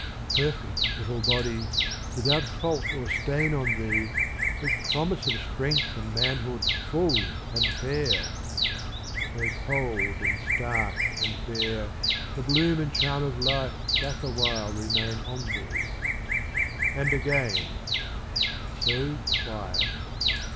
Perfect little body, without fault or stain on thee, With promise of strength and manhood full and fair ! Though cold and stark and bare, The bloom and the charm of life doth awhile remain on thee. And again: So quiet!